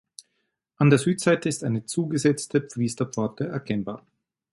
An der Südseite ist eine zugesetzte Priesterpforte erkennbar.